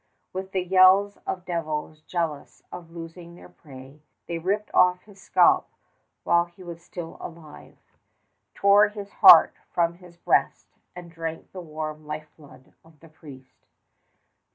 With the yells of devils jealous of losing their prey, they ripped off his scalp while he was still alive, tore his heart from his breast, and drank the warm lifeblood of the priest.